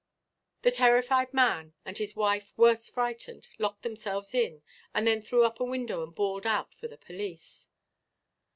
The terrified man, and his wife worse frightened, locked themselves in, and then threw up a window and bawled out for the police.